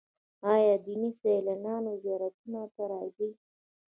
آیا دیني سیلانیان زیارتونو ته راځي؟